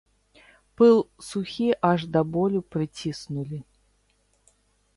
Пыл сухі аж да болю прыціснулі.